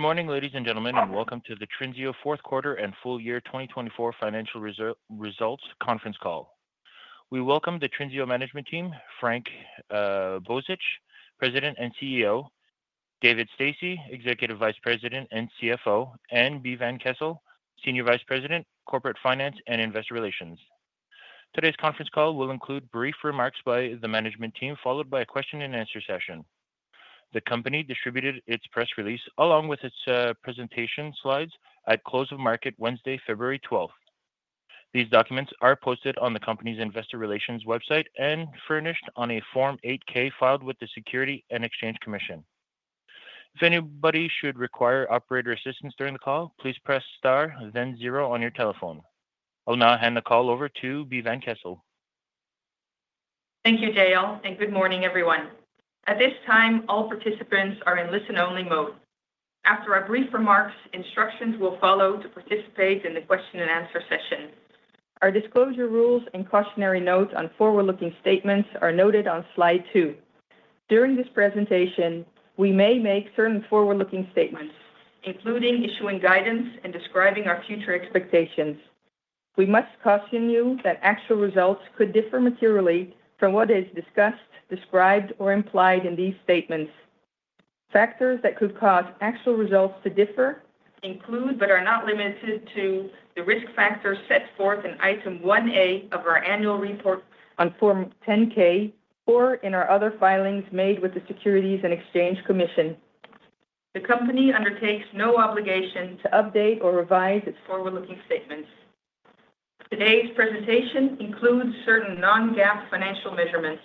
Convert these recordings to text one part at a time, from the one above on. Good morning, ladies and gentlemen, and welcome to the Trinseo Fourth Quarter and Full Year 2024 Financial Results Conference Call. We welcome the Trinseo Management Team, Frank Bozich, President and CEO; David Stasse, Executive Vice President and CFO; and Bee Van Kessel, Senior Vice President of Corporate Finance and Investor Relations. Today's conference call will include brief remarks by the Management Team, followed by a question-and-answer session. The company distributed its press release, along with its presentation slides, at close of market Wednesday, February 12th. These documents are posted on the company's Investor Relations website and furnished on a Form 8-K filed with the Securities and Exchange Commission. If anybody should require operator assistance during the call, please press star, then zero on your telephone. I'll now hand the call over to Bee Van Kessel. Thank you, JL, and good morning, everyone. At this time, all participants are in listen-only mode. After our brief remarks, instructions will follow to participate in the question-and-answer session. Our disclosure rules and cautionary notes on forward-looking statements are noted on slide two. During this presentation, we may make certain forward-looking statements, including issuing guidance and describing our future expectations. We must caution you that actual results could differ materially from what is discussed, described, or implied in these statements. Factors that could cause actual results to differ include, but are not limited to, the risk factors set forth in Item 1A of our Annual Report on Form 10-K, or in our other filings made with the Securities and Exchange Commission. The company undertakes no obligation to update or revise its forward-looking statements. Today's presentation includes certain non-GAAP financial measurements.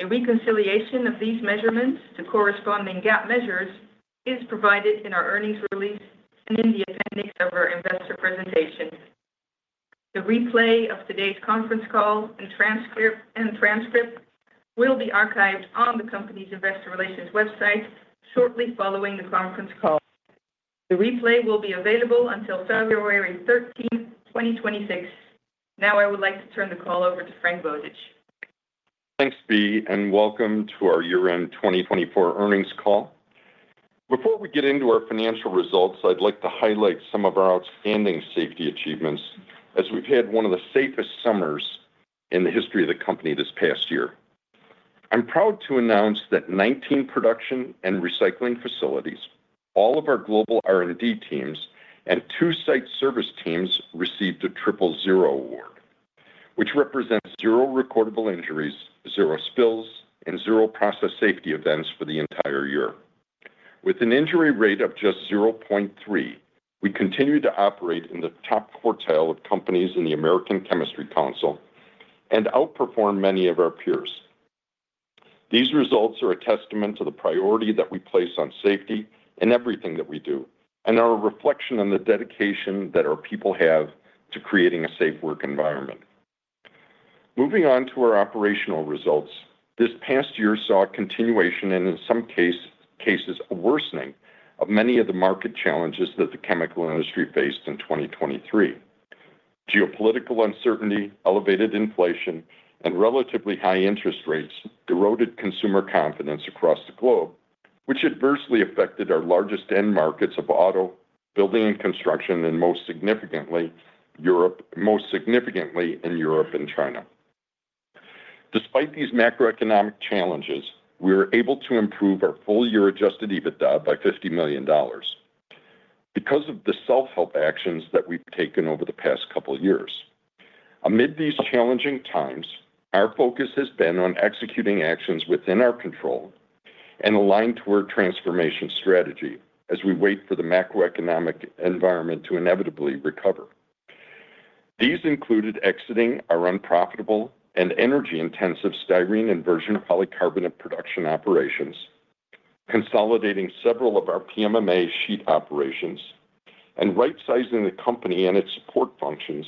A reconciliation of these measurements to corresponding GAAP measures is provided in our earnings release and in the appendix of our investor presentation. The replay of today's conference call and transcript will be archived on the company's Investor Relations website shortly following the conference call. The replay will be available until February 13, 2026. Now, I would like to turn the call over to Frank Bozich. Thanks, Bee, and welcome to our year-end 2024 earnings call. Before we get into our financial results, I'd like to highlight some of our outstanding safety achievements, as we've had one of the safest summers in the history of the company this past year. I'm proud to announce that 19 production and recycling facilities, all of our global R&D teams, and two site service teams received a Triple Zero Award, which represents zero recordable injuries, zero spills, and zero process safety events for the entire year. With an injury rate of just 0.3%, we continue to operate in the top quartile of companies in the American Chemistry Council and outperformed many of our peers. These results are a testament to the priority that we place on safety in everything that we do and are a reflection on the dedication that our people have to creating a safe work environment. Moving on to our operational results, this past year saw a continuation and, in some cases, a worsening of many of the market challenges that the chemical industry faced in 2023. Geopolitical uncertainty, elevated inflation, and relatively high interest rates eroded consumer confidence across the globe, which adversely affected our largest end markets of auto, building and construction, and most significantly, Europe and China. Despite these macroeconomic challenges, we were able to improve our full-year adjusted EBITDA by $50 million because of the self-help actions that we've taken over the past couple of years. Amid these challenging times, our focus has been on executing actions within our control and aligned to our transformation strategy as we wait for the macroeconomic environment to inevitably recover. These included exiting our unprofitable and energy-intensive styrene inversion polycarbonate production operations, consolidating several of our PMMA sheet operations, and right-sizing the company and its support functions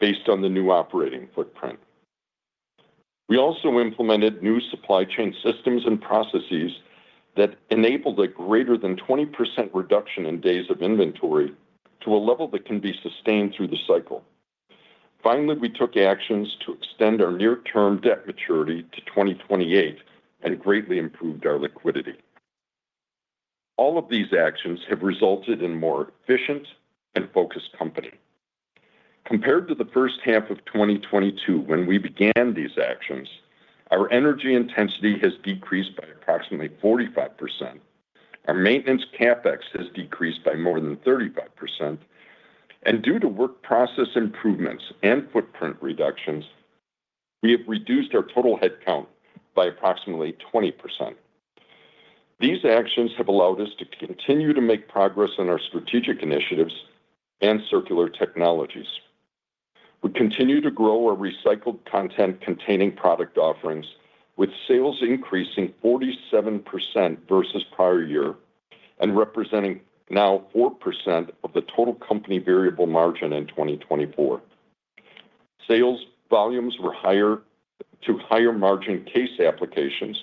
based on the new operating footprint. We also implemented new supply chain systems and processes that enabled a greater than 20% reduction in days of inventory to a level that can be sustained through the cycle. Finally, we took actions to extend our near-term debt maturity to 2028 and greatly improved our liquidity. All of these actions have resulted in a more efficient and focused company. Compared to the first half of 2022, when we began these actions, our energy intensity has decreased by approximately 45%. Our maintenance CapEx has decreased by more than 35%. Due to work process improvements and footprint reductions, we have reduced our total headcount by approximately 20%. These actions have allowed us to continue to make progress in our strategic initiatives and circular technologies. We continue to grow our recycled content-containing product offerings, with sales increasing 47% versus prior year and representing now 4% of the total company variable margin in 2024. Sales volumes were higher to higher margin case applications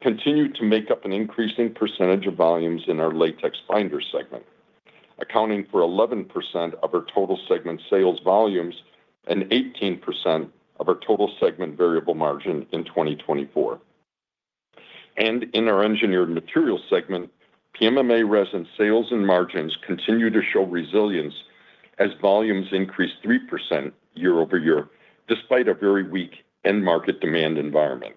continued to make up an increasing percentage of volumes in our Latex Binder Segment, accounting for 11% of our total segment sales volumes and 18% of our total segment variable margin in 2024. In our Engineered Material Segment, PMMA resin sales and margins continue to show resilience as volumes increase 3% year-over-year, despite a very weak end-market demand environment.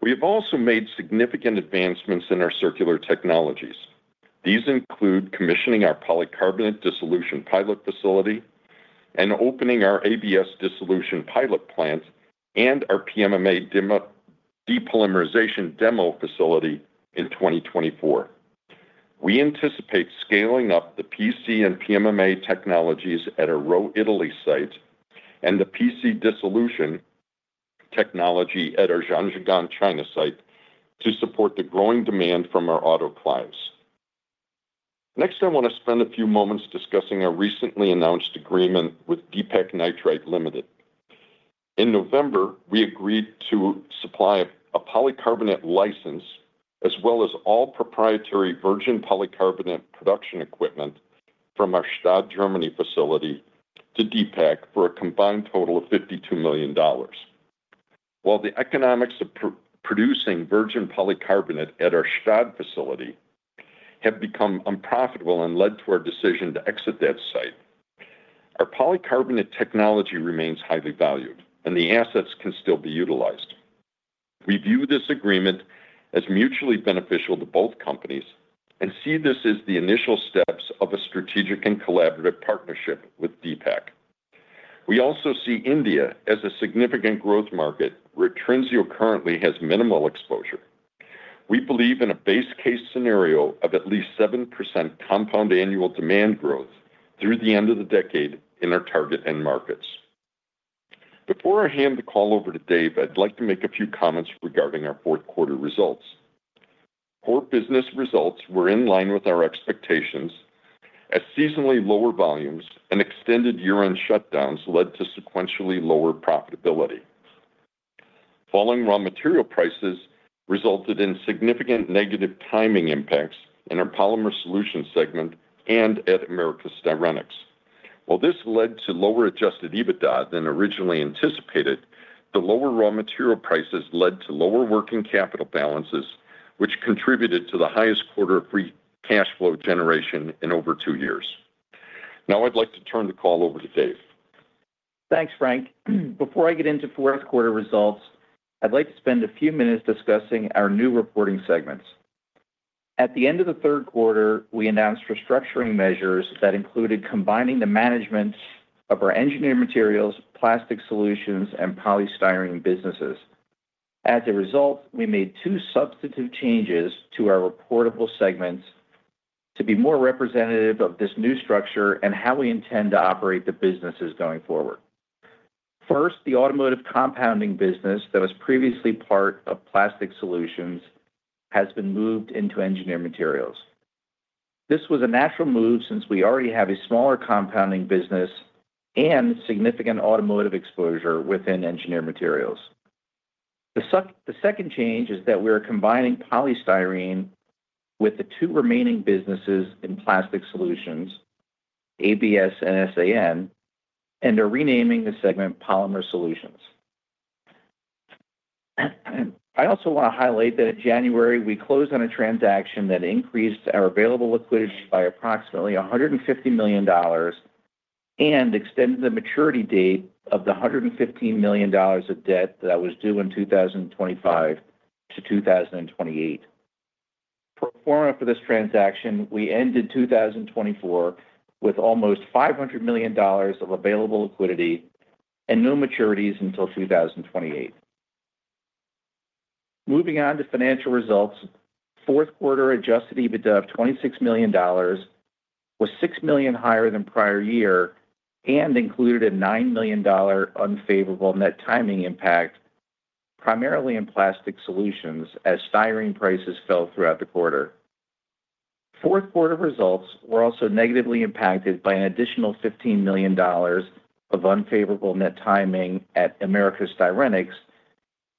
We have also made significant advancements in our circular technologies. These include commissioning our polycarbonate dissolution pilot facility and opening our ABS dissolution pilot plant and our PMMA depolymerization demo facility in 2024. We anticipate scaling up the PC and PMMA technologies at our Rho, Italy site and the PC dissolution technology at our Zhangjiagang, China site to support the growing demand from our auto clients. Next, I want to spend a few moments discussing our recently announced agreement with Deepak Nitrite Limited. In November, we agreed to supply a polycarbonate license, as well as all proprietary virgin polycarbonate production equipment from our Stade, Germany facility, to Deepak for a combined total of $52 million. While the economics of producing virgin polycarbonate at our Stade facility have become unprofitable and led to our decision to exit that site, our polycarbonate technology remains highly valued, and the assets can still be utilized. We view this agreement as mutually beneficial to both companies and see this as the initial steps of a strategic and collaborative partnership with Deepak. We also see India as a significant growth market, where Trinseo currently has minimal exposure. We believe in a base case scenario of at least 7% compound annual demand growth through the end of the decade in our target end markets. Before I hand the call over to Dave, I'd like to make a few comments regarding our fourth quarter results. Core business results were in line with our expectations, as seasonally lower volumes and extended year-end shutdowns led to sequentially lower profitability. Falling raw material prices resulted in significant negative timing impacts in our polymer solutions segment and at Americas Styrenics. While this led to lower adjusted EBITDA than originally anticipated, the lower raw material prices led to lower working capital balances, which contributed to the highest quarter of cash flow generation in over two years. Now, I'd like to turn the call over to Dave. Thanks, Frank. Before I get into fourth quarter results, I'd like to spend a few minutes discussing our new reporting segments. At the end of the third quarter, we announced restructuring measures that included combining the management of our engineered materials, plastic solutions, and polystyrene businesses. As a result, we made two substantive changes to our reportable segments to be more representative of this new structure and how we intend to operate the businesses going forward. First, the automotive compounding business that was previously part of plastic solutions has been moved into engineered materials. This was a natural move since we already have a smaller compounding business and significant automotive exposure within engineered materials. The second change is that we are combining polystyrene with the two remaining businesses in plastic solutions, ABS and SAN, and are renaming the segment polymer solutions. I also want to highlight that in January, we closed on a transaction that increased our available liquidity by approximately $150 million and extended the maturity date of the $115 million of debt that was due in 2025 to 2028. For a forum for this transaction, we ended 2024 with almost $500 million of available liquidity and no maturities until 2028. Moving on to financial results, fourth quarter adjusted EBITDA of $26 million was $6 million higher than prior year and included a $9 million unfavorable net timing impact, primarily in plastic solutions, as styrene prices fell throughout the quarter. Fourth quarter results were also negatively impacted by an additional $15 million of unfavorable net timing at Americas Styrenics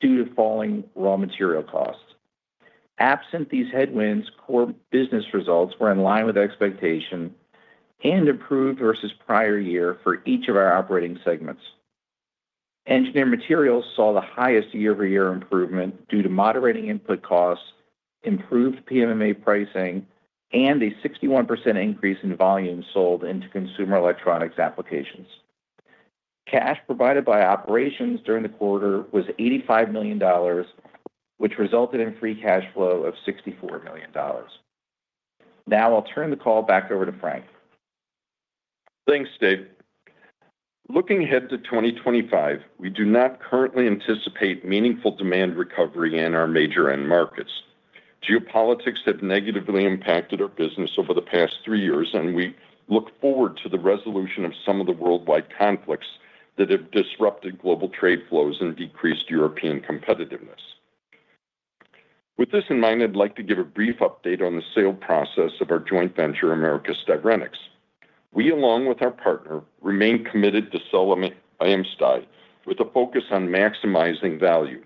due to falling raw material costs. Absent these headwinds, core business results were in line with expectation and improved versus prior year for each of our operating segments. Engineered materials saw the highest year-over-year improvement due to moderating input costs, improved PMMA pricing, and a 61% increase in volume sold into consumer electronics applications. Cash provided by operations during the quarter was $85 million, which resulted in free cash flow of $64 million. Now, I'll turn the call back over to Frank. Thanks, Dave. Looking ahead to 2025, we do not currently anticipate meaningful demand recovery in our major end markets. Geopolitics have negatively impacted our business over the past three years, and we look forward to the resolution of some of the worldwide conflicts that have disrupted global trade flows and decreased European competitiveness. With this in mind, I'd like to give a brief update on the sale process of our joint venture, Americas Styrenics. We, along with our partner, remain committed to selling AmSty with a focus on maximizing value.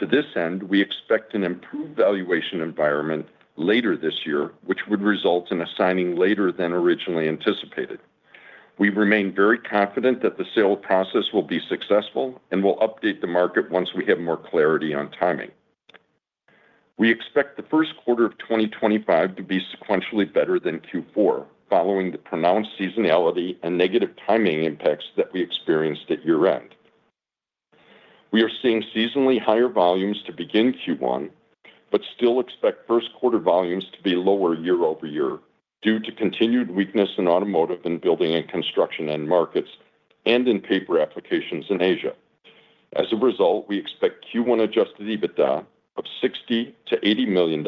To this end, we expect an improved valuation environment later this year, which would result in signing later than originally anticipated. We remain very confident that the sale process will be successful and will update the market once we have more clarity on timing. We expect the first quarter of 2025 to be sequentially better than Q4, following the pronounced seasonality and negative timing impacts that we experienced at year-end. We are seeing seasonally higher volumes to begin Q1, but still expect first quarter volumes to be lower year-over-year due to continued weakness in automotive and building and construction end markets and in paper applications in Asia. As a result, we expect Q1 adjusted EBITDA of $60-$80 million,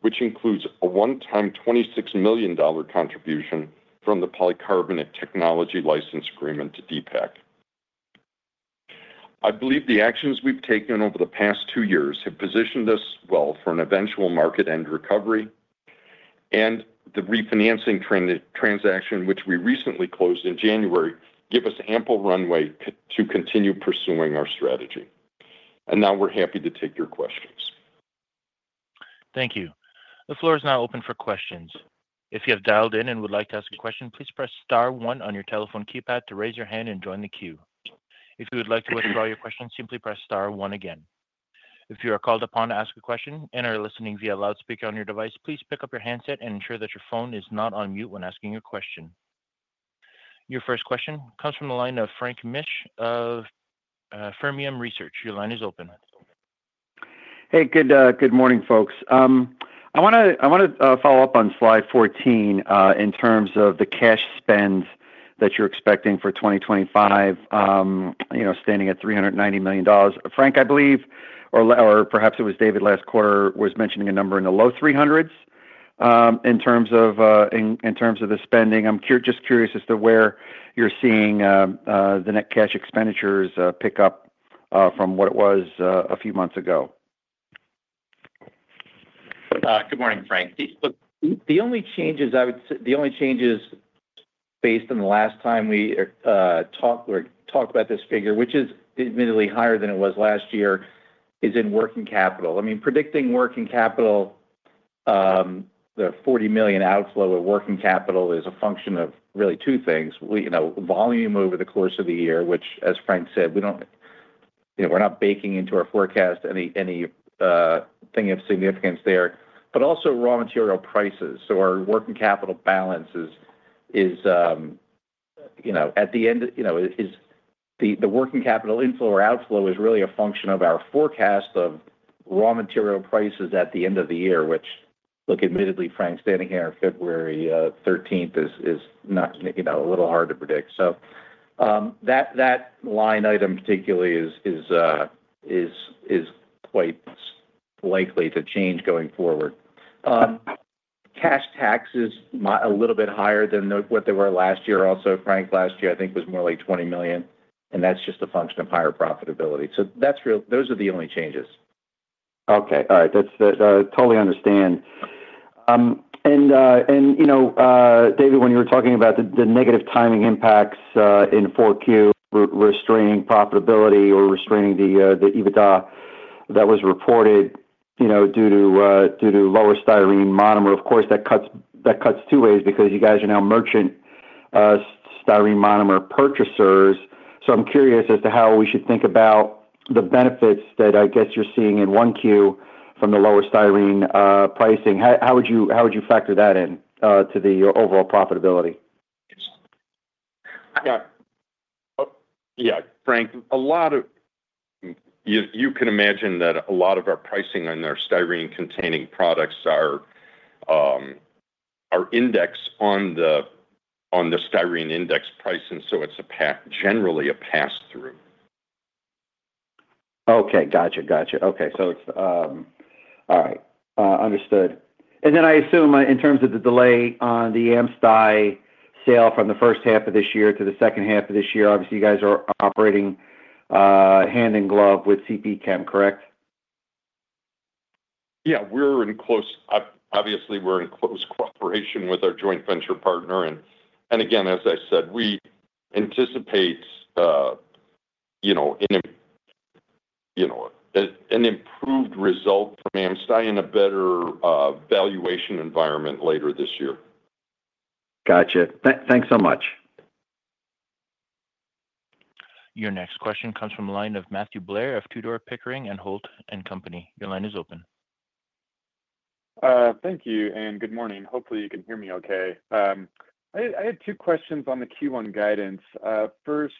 which includes a one-time $26 million contribution from the polycarbonate technology license agreement to Deepak. I believe the actions we've taken over the past two years have positioned us well for an eventual market-end recovery, and the refinancing transaction, which we recently closed in January, gives us ample runway to continue pursuing our strategy. We are happy to take your questions. Thank you. The floor is now open for questions. If you have dialed in and would like to ask a question, please press star one on your telephone keypad to raise your hand and join the queue. If you would like to withdraw your question, simply press star one again. If you are called upon to ask a question and are listening via loudspeaker on your device, please pick up your handset and ensure that your phone is not on mute when asking your question. Your first question comes from the line of Frank Mitsch of Fermium Research. Your line is open. Hey, good morning, folks. I want to follow up on slide 14 in terms of the cash spend that you're expecting for 2025, standing at $390 million. Frank, I believe, or perhaps it was David last quarter, was mentioning a number in the low $300s in terms of the spending. I'm just curious as to where you're seeing the net cash expenditures pick up from what it was a few months ago. Good morning, Frank. The only changes I would say, the only changes based on the last time we talked about this figure, which is admittedly higher than it was last year, is in working capital. I mean, predicting working capital, the $40 million outflow of working capital is a function of really two things: volume over the course of the year, which, as Frank said, we're not baking into our forecast anything of significance there, but also raw material prices. Our working capital balance is, at the end, the working capital inflow or outflow is really a function of our forecast of raw material prices at the end of the year, which, look, admittedly, Frank, standing here on February 13th is a little hard to predict. That line item, particularly, is quite likely to change going forward. Cash taxes is a little bit higher than what they were last year. Also, Frank, last year, I think, was more like $20 million, and that's just a function of higher profitability. Those are the only changes. Okay. All right. That's totally understand. David, when you were talking about the negative timing impacts in 4Q, restraining profitability or restraining the EBITDA that was reported due to lower styrene monomer, of course, that cuts two ways because you guys are now merchant styrene monomer purchasers. I'm curious as to how we should think about the benefits that I guess you're seeing in 1Q from the lower styrene pricing. How would you factor that into the overall profitability? Yeah. Yeah, Frank, you can imagine that a lot of our pricing on our styrene-containing products are indexed on the styrene index pricing, so it's generally a pass-through. Okay. Gotcha. Gotcha. Okay. All right. Understood. I assume in terms of the delay on the AmSty sale from the first half of this year to the second half of this year, obviously, you guys are operating hand in glove with CP Chem, correct? Yeah. Obviously, we're in close cooperation with our joint venture partner. As I said, we anticipate an improved result from AmSty and a better valuation environment later this year. Gotcha. Thanks so much. Your next question comes from the line of Matthew Blair of Tudor, Pickering, Holt & Co. Your line is open. Thank you and good morning. Hopefully, you can hear me okay. I had two questions on the Q1 guidance. First,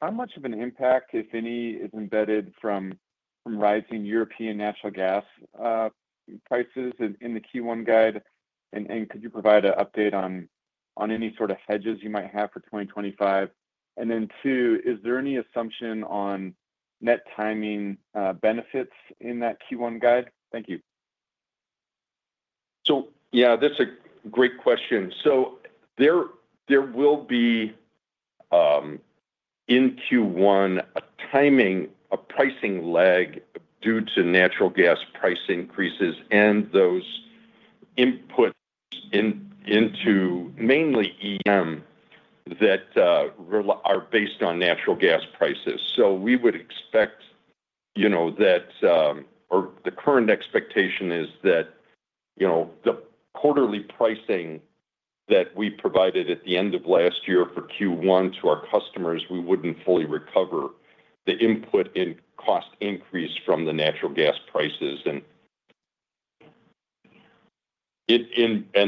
how much of an impact, if any, is embedded from rising European natural gas prices in the Q1 guide? Could you provide an update on any sort of hedges you might have for 2025? Two, is there any assumption on net timing benefits in that Q1 guide? Thank you. Yeah, that's a great question. There will be in Q1 a timing, a pricing lag due to natural gas price increases and those inputs into mainly EM that are based on natural gas prices. We would expect that, or the current expectation is that the quarterly pricing that we provided at the end of last year for Q1 to our customers, we wouldn't fully recover the input in cost increase from the natural gas prices.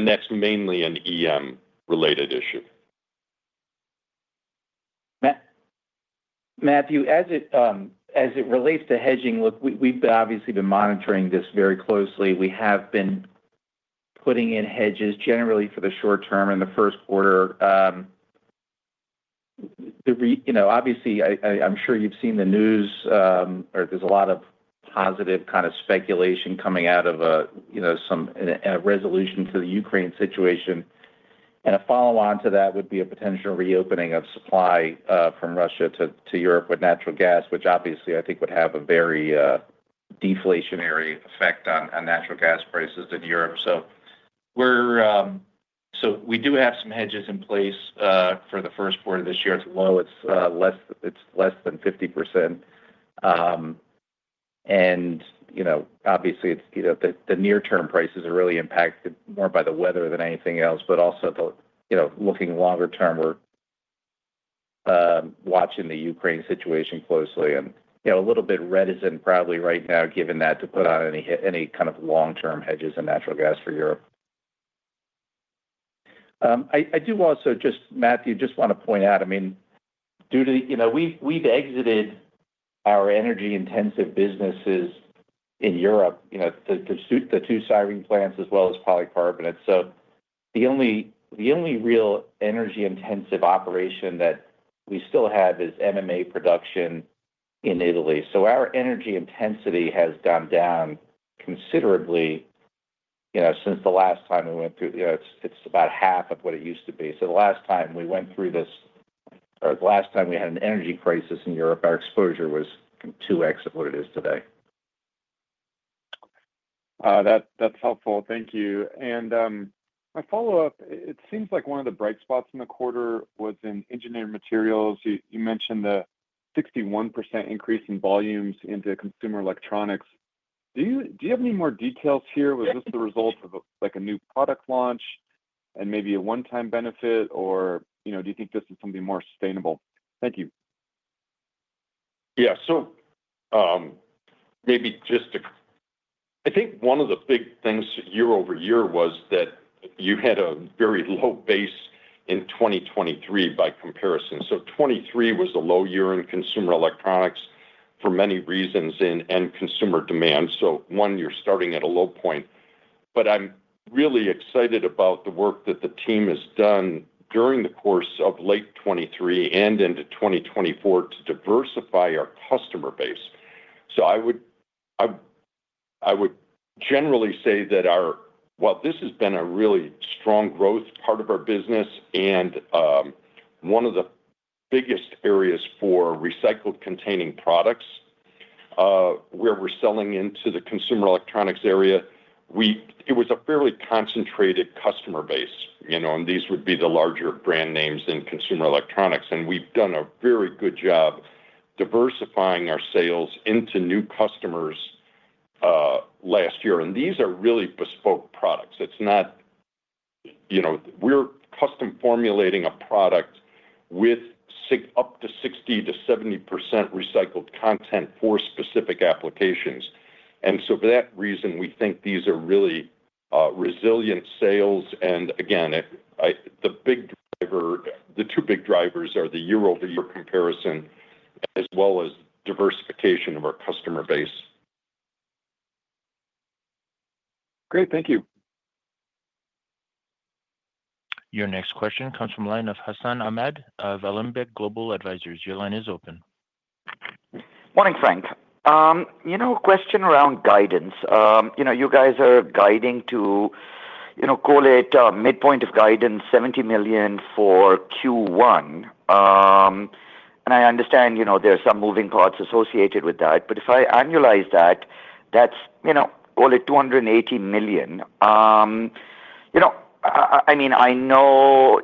That's mainly an EM-related issue. Matthew, as it relates to hedging, look, we've obviously been monitoring this very closely. We have been putting in hedges generally for the short-term in the first quarter. Obviously, I'm sure you've seen the news, or there's a lot of positive kind of speculation coming out of some resolution to the Ukraine situation. A follow-on to that would be a potential reopening of supply from Russia to Europe with natural gas, which obviously, I think, would have a very deflationary effect on natural gas prices in Europe. We do have some hedges in place for the first quarter of this year. It's low. It's less than 50%. Obviously, the near-term prices are really impacted more by the weather than anything else. Also, looking longer term, we're watching the Ukraine situation closely. A little bit reticent probably right now, given that, to put on any kind of long-term hedges on natural gas for Europe. I do also just, Matthew, just want to point out, I mean, due to we've exited our energy-intensive businesses in Europe, the two styrene plants as well as polycarbonate. The only real energy-intensive operation that we still have is MMA production in Italy. Our energy intensity has gone down considerably since the last time we went through. It is about half of what it used to be. The last time we went through this, or the last time we had an energy crisis in Europe, our exposure was 2x of what it is today. That's helpful. Thank you. My follow-up, it seems like one of the bright spots in the quarter was in engineered materials. You mentioned the 61% increase in volumes into consumer electronics. Do you have any more details here? Was this the result of a new product launch and maybe a one-time benefit, or do you think this is something more sustainable? Thank you. Yeah. Maybe just to, I think one of the big things year-over-year was that you had a very low base in 2023 by comparison. 2023 was a low year in consumer electronics for many reasons and consumer demand. One, you're starting at a low point. I'm really excited about the work that the team has done during the course of late 2023 and into 2024 to diversify our customer base. I would generally say that our, well, this has been a really strong growth part of our business. One of the biggest areas for recycled-containing products where we're selling into the consumer electronics area, it was a fairly concentrated customer base. These would be the larger brand names in consumer electronics. We've done a very good job diversifying our sales into new customers last year. These are really bespoke products. It's not, we're custom formulating a product with up to 60-70% recycled content for specific applications. For that reason, we think these are really resilient sales. Again, the two big drivers are the year-over-year comparison as well as diversification of our customer base. Great. Thank you. Your next question comes from the line of Hassan Ahmed of Alembic Global Advisors. Your line is open. Morning, Frank. A question around guidance. You guys are guiding to, call it midpoint of guidance, $70 million for Q1. I understand there are some moving parts associated with that. If I annualize that, that's, call it $280 million. I mean, I know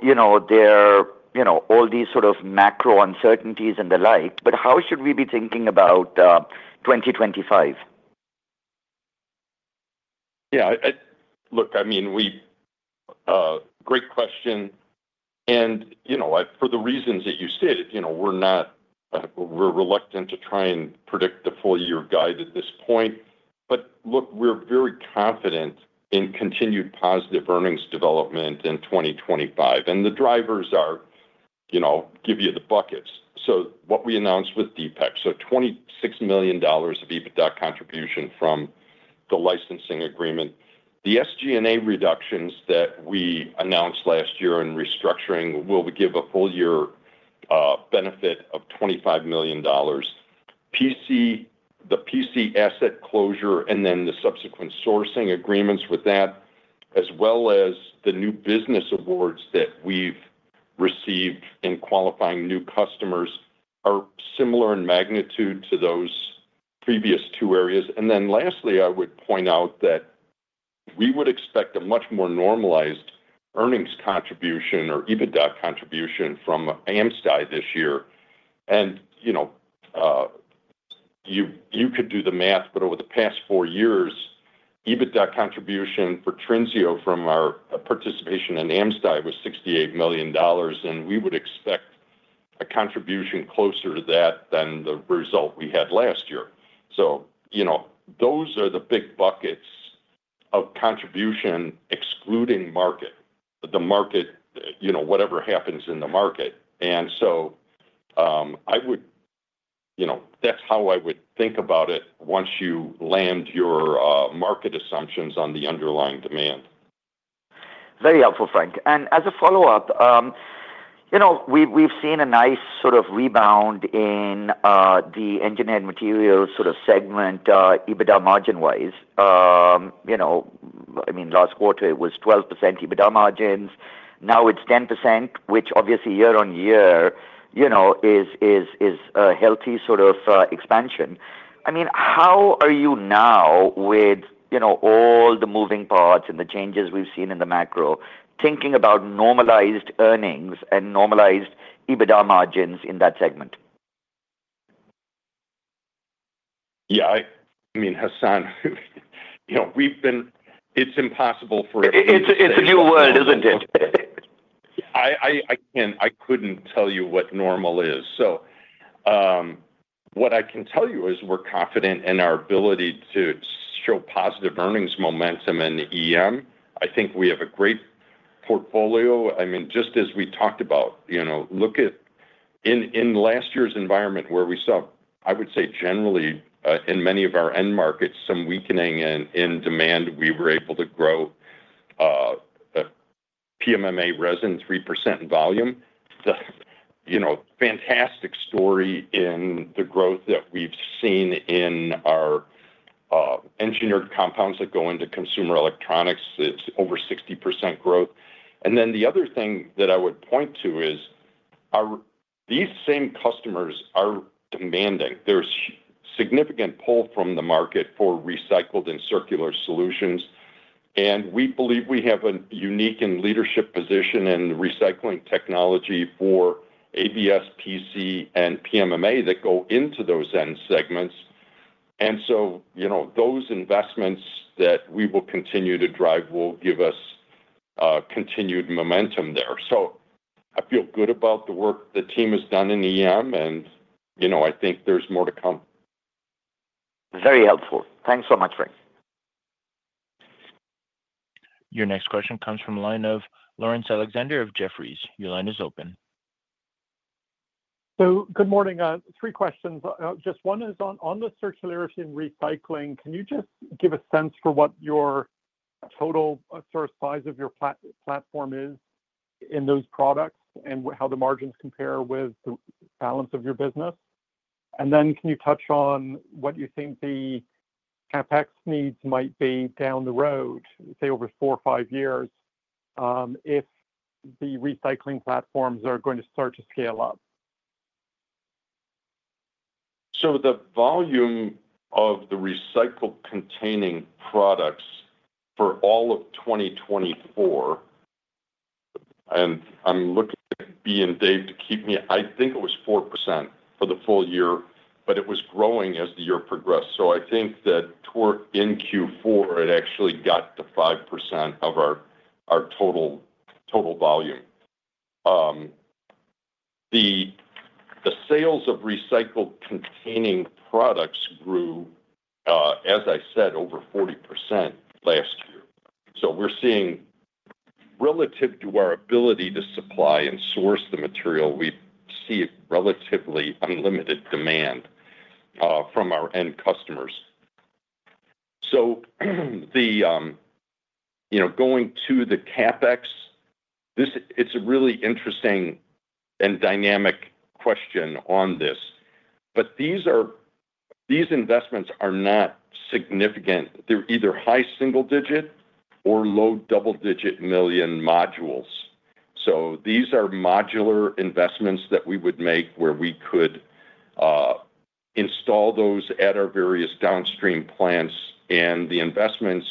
there are all these sort of macro uncertainties and the like, but how should we be thinking about 2025? Yeah. Look, I mean, great question. For the reasons that you stated, we're reluctant to try and predict the full-year guide at this point. Look, we're very confident in continued positive earnings development in 2025. The drivers give you the buckets. What we announced with Deepak, so $26 million of EBITDA contribution from the licensing agreement, the SG&A reductions that we announced last year in restructuring will give a full-year benefit of $25 million. The PC asset closure and then the subsequent sourcing agreements with that, as well as the new business awards that we've received in qualifying new customers, are similar in magnitude to those previous two areas. Lastly, I would point out that we would expect a much more normalized earnings contribution or EBITDA contribution from AmSty this year. You could do the math, but over the past four years, EBITDA contribution for Trinseo from our participation in AmSty was $68 million. We would expect a contribution closer to that than the result we had last year. Those are the big buckets of contribution excluding the market, whatever happens in the market. I would, that's how I would think about it once you land your market assumptions on the underlying demand. Very helpful, Frank. As a follow-up, we've seen a nice sort of rebound in the engineered materials sort of segment, EBITDA margin-wise. I mean, last quarter, it was 12% EBITDA margins. Now it's 10%, which obviously year on year is a healthy sort of expansion. I mean, how are you now with all the moving parts and the changes we've seen in the macro, thinking about normalized earnings and normalized EBITDA margins in that segment? Yeah. I mean, Hassan, we've been, it's impossible for. It's a new world, isn't it? I couldn't tell you what normal is. What I can tell you is we're confident in our ability to show positive earnings momentum in the EM. I think we have a great portfolio. I mean, just as we talked about, look at in last year's environment where we saw, I would say generally in many of our end markets, some weakening in demand, we were able to grow PMMA resin 3% in volume. Fantastic story in the growth that we've seen in our engineered compounds that go into consumer electronics. It's over 60% growth. The other thing that I would point to is these same customers are demanding. There's significant pull from the market for recycled and circular solutions. We believe we have a unique and leadership position in recycling technology for ABS, PC, and PMMA that go into those end segments. Those investments that we will continue to drive will give us continued momentum there. I feel good about the work the team has done in EM, and I think there's more to come. Very helpful. Thanks so much, Frank. Your next question comes from the line of Laurence Alexander of Jefferies. Your line is open. Good morning. Three questions. Just one is on the circularity and recycling. Can you just give a sense for what your total size of your platform is in those products and how the margins compare with the balance of your business? Can you touch on what you think the CapEx needs might be down the road, say, over four or five years if the recycling platforms are going to start to scale up? The volume of the recycled-containing products for all of 2024, and I'm looking at Bee and Dave to keep me, I think it was 4% for the full year, but it was growing as the year progressed. I think that toward in Q4, it actually got to 5% of our total volume. The sales of recycled-containing products grew, as I said, over 40% last year. We're seeing relative to our ability to supply and source the material, we see relatively unlimited demand from our end customers. Going to the CapEx, it's a really interesting and dynamic question on this. These investments are not significant. They're either high single-digit or low double-digit million modules. These are modular investments that we would make where we could install those at our various downstream plants. The investments,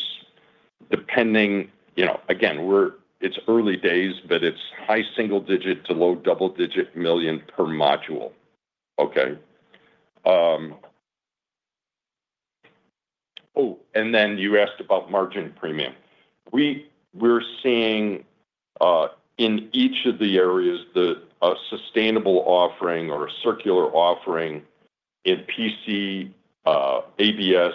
depending, again, it's early days, but it's high single-digit to low double-digit million per module. Okay. Oh, and then you asked about margin premium. We're seeing in each of the areas the sustainable offering or circular offering in PC, ABS,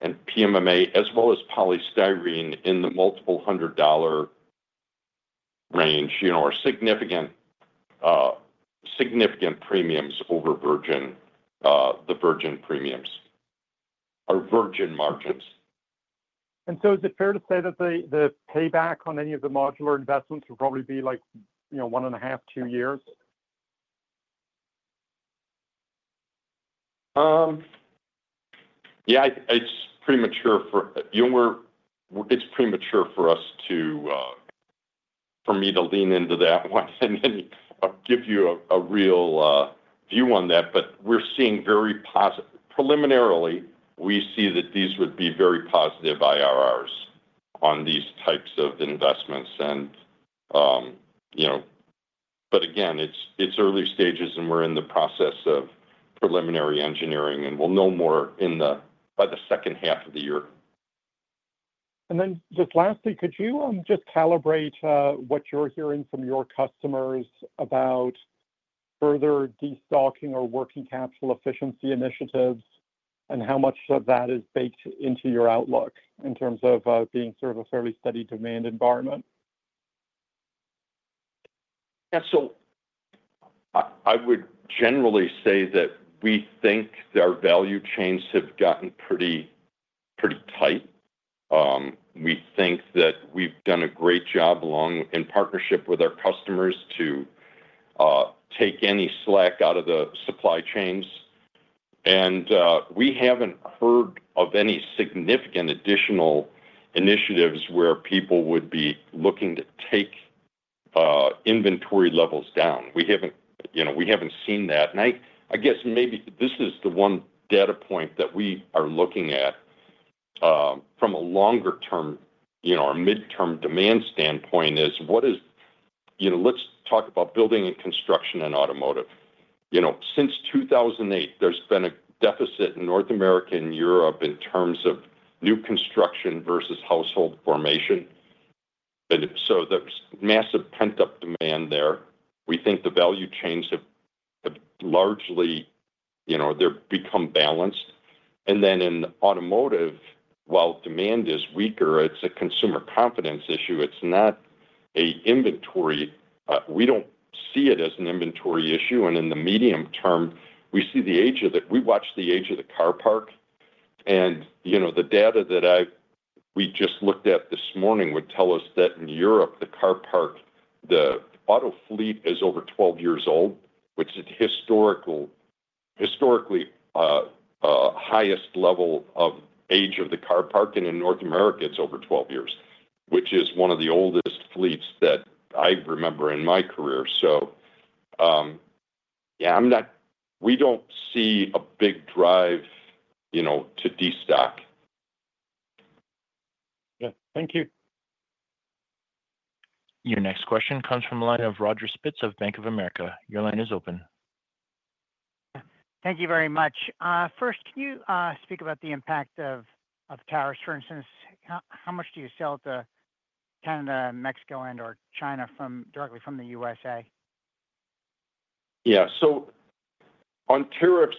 and PMMA, as well as polystyrene in the multiple hundred dollar range, are significant premiums over the virgin premiums or virgin margins. Is it fair to say that the payback on any of the modular investments will probably be like one and a half, two years? Yeah. It's premature for us to, for me to lean into that one and give you a real view on that. We're seeing very preliminarily, we see that these would be very positive IRRs on these types of investments. Again, it's early stages, and we're in the process of preliminary engineering, and we'll know more by the second half of the year. Could you just calibrate what you're hearing from your customers about further destocking or working capital efficiency initiatives and how much of that is baked into your outlook in terms of being sort of a fairly steady demand environment? Yeah. I would generally say that we think our value chains have gotten pretty tight. We think that we've done a great job in partnership with our customers to take any slack out of the supply chains. We haven't heard of any significant additional initiatives where people would be looking to take inventory levels down. We haven't seen that. I guess maybe this is the one data point that we are looking at from a longer-term or midterm demand standpoint is what is, let's talk about building and construction in automotive. Since 2008, there's been a deficit in North America and Europe in terms of new construction versus household formation. There is massive pent-up demand there. We think the value chains have largely, they've become balanced. In automotive, while demand is weaker, it's a consumer confidence issue. It's not an inventory. We don't see it as an inventory issue. In the medium term, we see the age of the, we watch the age of the car park. The data that we just looked at this morning would tell us that in Europe, the car park, the auto fleet is over 12 years old, which is historically the highest level of age of the car park. In North America, it's over 12 years, which is one of the oldest fleets that I remember in my career. Yeah, we don't see a big drive to destock. Yeah. Thank you. Your next question comes from the line of Roger Spitz of Bank of America. Your line is open. Thank you very much. First, can you speak about the impact of tariffs? For instance, how much do you sell to Canada, Mexico, and/or China directly from the U.S.? Yeah. On tariffs,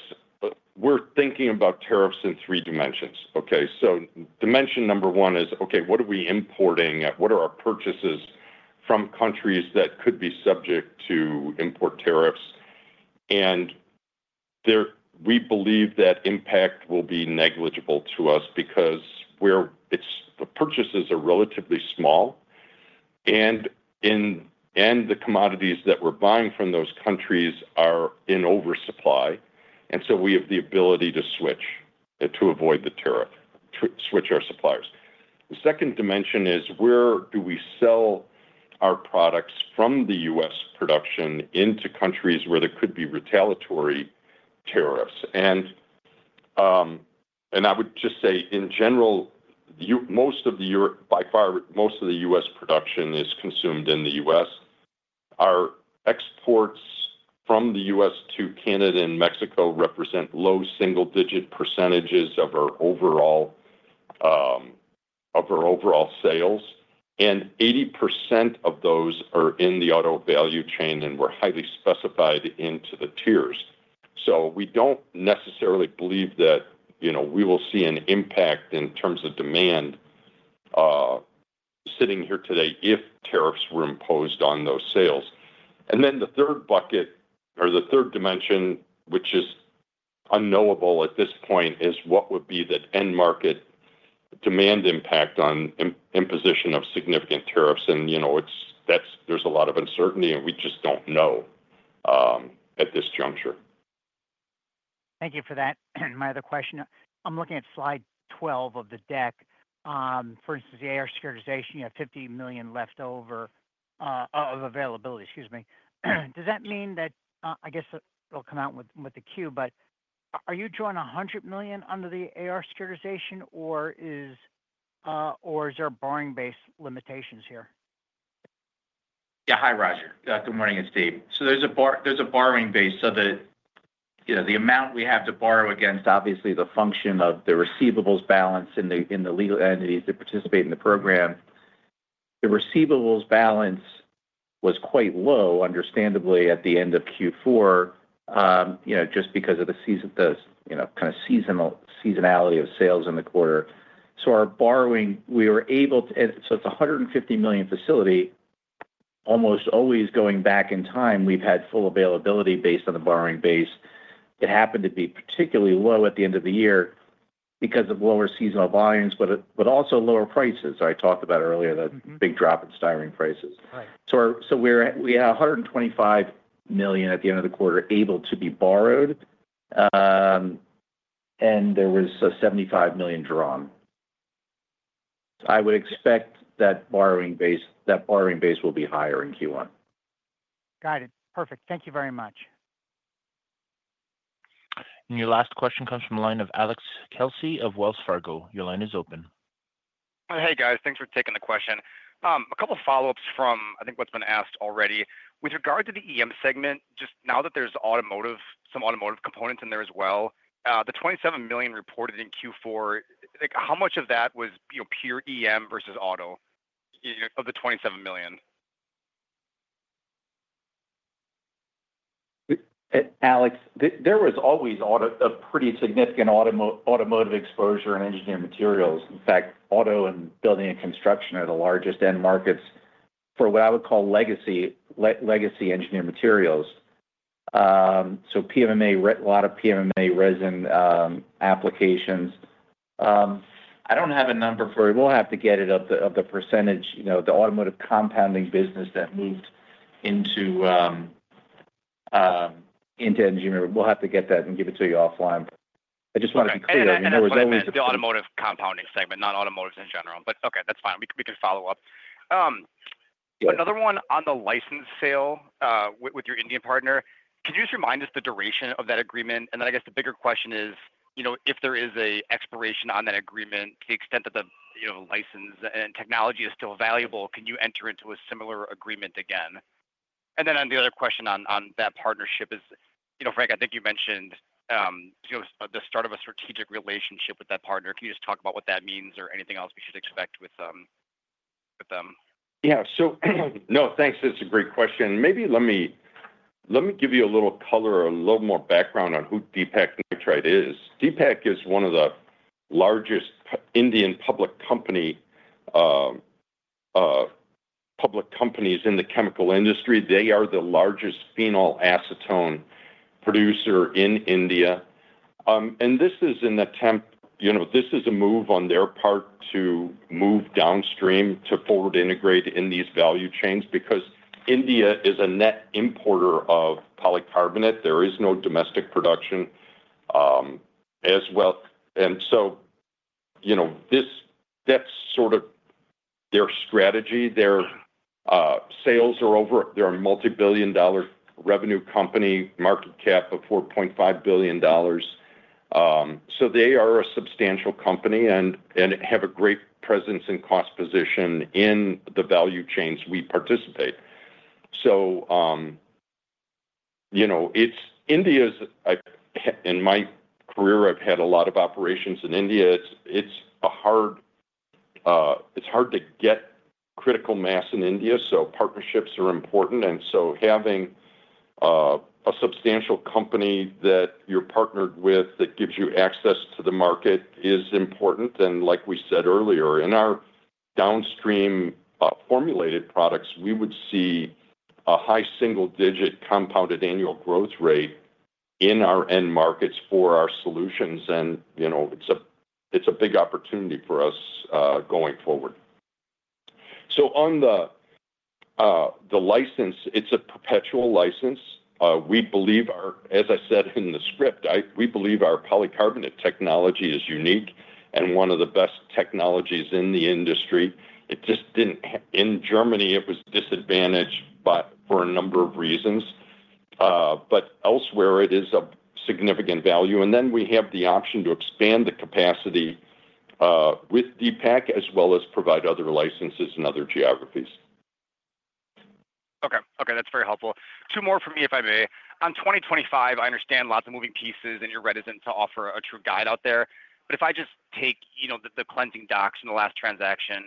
we're thinking about tariffs in three dimensions. Okay. Dimension number one is, okay, what are we importing? What are our purchases from countries that could be subject to import tariffs? We believe that impact will be negligible to us because the purchases are relatively small, and the commodities that we're buying from those countries are in oversupply. We have the ability to switch to avoid the tariff, to switch our suppliers. The second dimension is where do we sell our products from the U.S. production into countries where there could be retaliatory tariffs? I would just say, in general, by far, most of the U.S. production is consumed in the U.S.. Our exports from the U.S. to Canada and Mexico represent low single-digit percentage of our overall sales. Eighty percent of those are in the auto value chain, and we're highly specified into the tiers. We don't necessarily believe that we will see an impact in terms of demand sitting here today if tariffs were imposed on those sales. The third bucket or the third dimension, which is unknowable at this point, is what would be the end market demand impact on imposition of significant tariffs. There's a lot of uncertainty, and we just don't know at this juncture. Thank you for that. My other question, I'm looking at slide 12 of the deck. For the AR securitization, you have $50 million leftover of availability. Excuse me. Does that mean that, I guess it'll come out with the queue, but are you drawing $100 million under the AR securitization, or is there borrowing-based limitations here? Yeah. Hi, Roger. Good morning. It's Dave. There's a borrowing base. The amount we have to borrow against is obviously a function of the receivables balance in the legal entities that participate in the program. The receivables balance was quite low, understandably, at the end of Q4 just because of the kind of seasonality of sales in the quarter. Our borrowing, we were able to, it's a $150 million facility, almost always going back in time, we've had full availability based on the borrowing base. It happened to be particularly low at the end of the year because of lower seasonal volumes, but also lower prices. I talked about earlier the big drop in styrene prices. We had $125 million at the end of the quarter able to be borrowed, and there was $75 million drawn. I would expect that borrowing base will be higher in Q1. Got it. Perfect. Thank you very much. Your last question comes from the line of Alex Kelsey of Wells Fargo. Your line is open. Hey, guys. Thanks for taking the question. A couple of follow-ups from, I think, what's been asked already. With regard to the EM segment, just now that there's some automotive components in there as well, the $27 million reported in Q4, how much of that was pure EM versus auto of the $27 million? Alex, there was always a pretty significant automotive exposure in engineered materials. In fact, auto and building and construction are the largest end markets for what I would call legacy engineered materials. So a lot of PMMA resin applications. I do not have a number for it. We will have to get it of the percentage, the automotive compounding business that moved into engineering. We will have to get that and give it to you offline. I just want to be clear. Yeah. I mean, the automotive compounding segment, not automotive in general. Okay, that's fine. We can follow up. Another one on the license sale with your Indian partner. Can you just remind us the duration of that agreement? I guess the bigger question is, if there is an expiration on that agreement, to the extent that the license and technology is still valuable, can you enter into a similar agreement again? On the other question on that partnership is, Frank, I think you mentioned the start of a strategic relationship with that partner. Can you just talk about what that means or anything else we should expect with them? Yeah. No, thanks. That's a great question. Maybe let me give you a little color or a little more background on who Deepak Nitrite is. Deepak is one of the largest Indian public companies in the chemical industry. They are the largest phenol acetone producer in India. This is an attempt, this is a move on their part to move downstream to forward integrate in these value chains because India is a net importer of polycarbonate. There is no domestic production as well. That's sort of their strategy. Their sales are over, they're a multi-billion dollar revenue company, market cap of $4.5 billion. They are a substantial company and have a great presence and cost position in the value chains we participate. In my career, I've had a lot of operations in India. It's hard to get critical mass in India. Partnerships are important. Having a substantial company that you're partnered with that gives you access to the market is important. Like we said earlier, in our downstream formulated products, we would see a high single-digit compounded annual growth rate in our end markets for our solutions. It is a big opportunity for us going forward. On the license, it is a perpetual license. We believe, as I said in the script, our polycarbonate technology is unique and one of the best technologies in the industry. In Germany, it was disadvantaged for a number of reasons. Elsewhere, it is of significant value. We have the option to expand the capacity with Deepak as well as provide other licenses in other geographies. Okay. Okay. That's very helpful. Two more from me, if I may. On 2025, I understand lots of moving pieces, and you're reticent to offer a true guide out there. But if I just take the cleansing docs and the last transaction,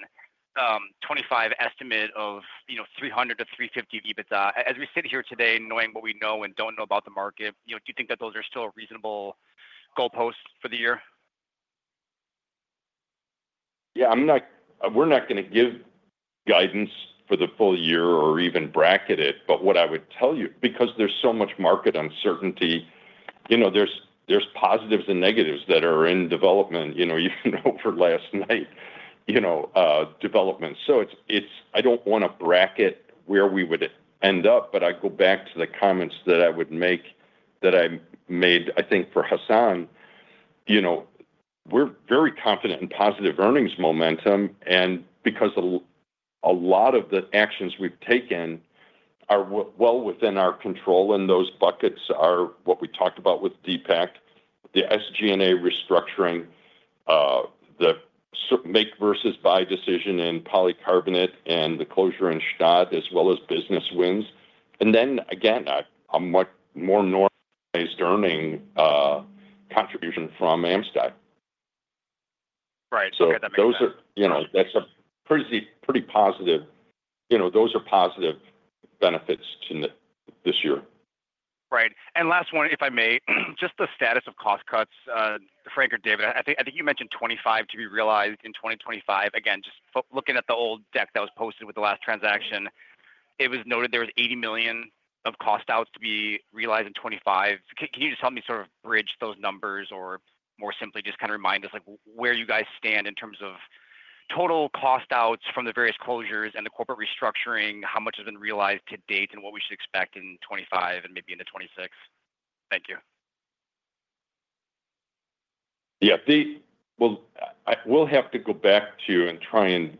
2025 estimate of $300 million-$350 million EBITDA, as we sit here today, knowing what we know and don't know about the market, do you think that those are still reasonable goal posts for the year? Yeah. We're not going to give guidance for the full-year or even bracket it. What I would tell you, because there's so much market uncertainty, there's positives and negatives that are in development, even over last night, development. I don't want to bracket where we would end up. I go back to the comments that I would make that I made, I think, for Hassan. We're very confident in positive earnings momentum. Because a lot of the actions we've taken are well within our control, and those buckets are what we talked about with Deepak, the SG&A restructuring, the make versus buy decision in polycarbonate, and the closure in Stade, as well as business wins. Then again, a much more normalized earning contribution from AmSty. Right. Okay. That makes sense. That's a pretty positive, those are positive benefits to this year. Right. Last one, if I may, just the status of cost cuts, Frank or David, I think you mentioned 25 to be realized in 2025. Again, just looking at the old deck that was posted with the last transaction, it was noted there was $80 million of cost outs to be realized in 2025. Can you just help me sort of bridge those numbers or more simply just kind of remind us where you guys stand in terms of total cost outs from the various closures and the corporate restructuring, how much has been realized to date, and what we should expect in 2025 and maybe into 2026? Thank you. Yeah. We will have to go back to and try and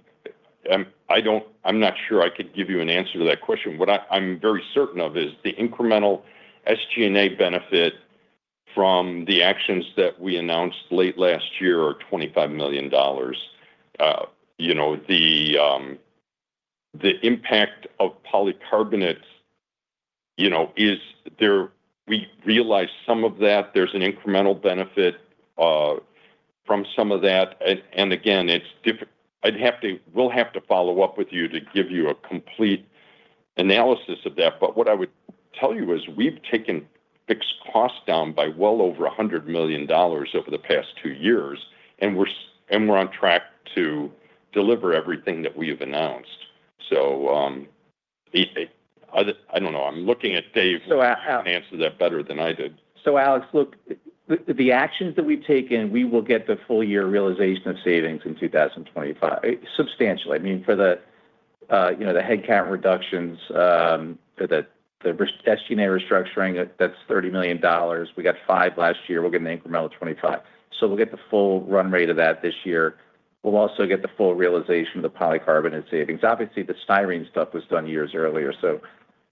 I'm not sure I could give you an answer to that question. What I'm very certain of is the incremental SG&A benefit from the actions that we announced late last year are $25 million. The impact of polycarbonate, we realize some of that. There is an incremental benefit from some of that. Again, I would have to—we will have to follow up with you to give you a complete analysis of that. What I would tell you is we have taken fixed costs down by well over $100 million over the past two years, and we are on track to deliver everything that we have announced. I do not know. I am looking at Dave who can answer that better than I did. Alex, look, the actions that we've taken, we will get the full year realization of savings in 2025, substantially. I mean, for the headcount reductions, the SG&A restructuring, that's $30 million. We got $5 million last year. We're going to incremental $25 million. We'll get the full run rate of that this year. We'll also get the full realization of the polycarbonate savings. Obviously, the styrene stuff was done years earlier.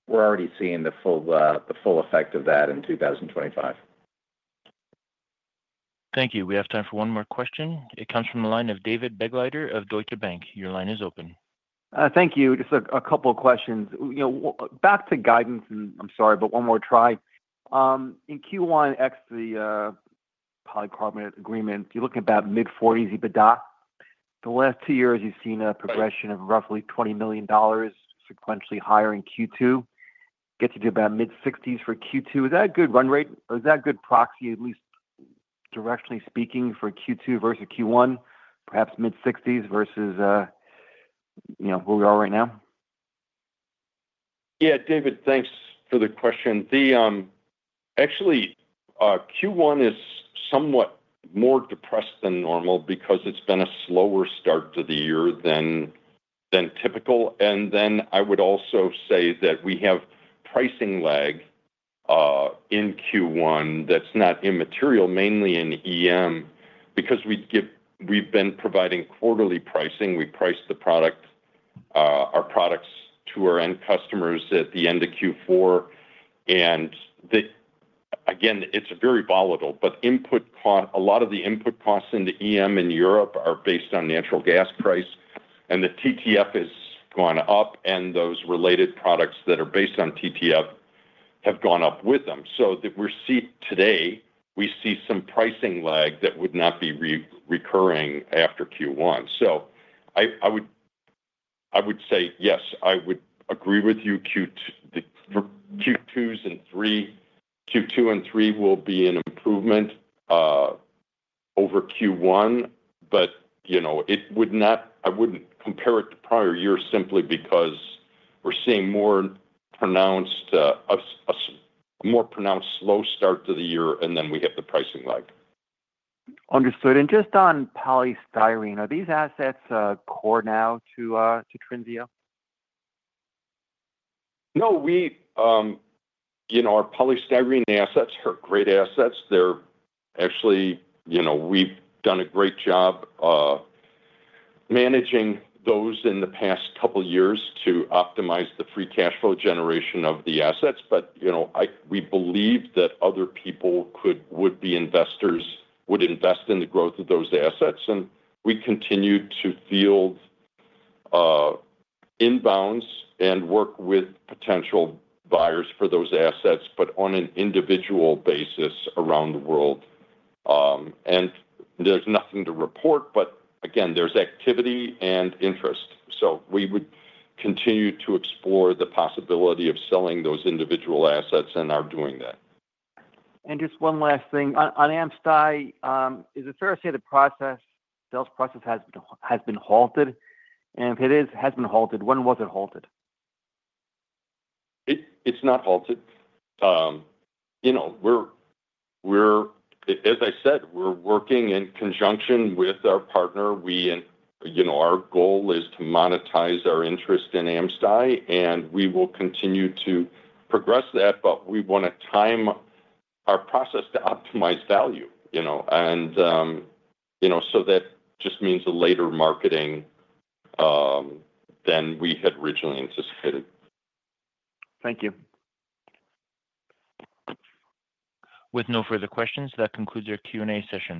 We're already seeing the full effect of that in 2025. Thank you. We have time for one more question. It comes from the line of David Begleiter of Deutsche Bank. Your line is open. Thank you. Just a couple of questions. Back to guidance, and I'm sorry, but one more try. In Q1, the polycarbonate agreement, you're looking at about mid $40s million EBITDA. The last two years, you've seen a progression of roughly $20 million sequentially higher in Q2. Get to about mid-60s for Q2. Is that a good run rate? Is that a good proxy, at least directionally speaking, for Q2 versus Q1, perhaps mid $60s million versus where we are right now? Yeah. David, thanks for the question. Actually, Q1 is somewhat more depressed than normal because it's been a slower start to the year than typical. I would also say that we have pricing lag in Q1 that's not immaterial, mainly in EM, because we've been providing quarterly pricing. We price our products to our end customers at the end of Q4. Again, it's very volatile. A lot of the input costs in the EM in Europe are based on natural gas price. The TTF has gone up, and those related products that are based on TTF have gone up with them. Today, we see some pricing lag that would not be recurring after Q1. I would say, yes, I would agree with you. Q2 and 3 will be an improvement over Q1. I wouldn't compare it to prior years simply because we're seeing a more pronounced slow start to the year, and then we have the pricing lag. Understood. Just on polystyrene, are these assets core now to Trinseo? No. Our polystyrene assets are great assets. Actually, we've done a great job managing those in the past couple of years to optimize the free cash flow generation of the assets. We believe that other people would be investors, would invest in the growth of those assets. We continue to field inbounds and work with potential buyers for those assets, but on an individual basis around the world. There is nothing to report. Again, there is activity and interest. We would continue to explore the possibility of selling those individual assets and are doing that. Just one last thing. On AmSty, is it fair to say the sales process has been halted? If it has been halted, when was it halted? It's not halted. As I said, we're working in conjunction with our partner. Our goal is to monetize our interest in AmSty, and we will continue to progress that. We want to time our process to optimize value. That just means a later marketing than we had originally anticipated. Thank you. With no further questions, that concludes our Q&A session.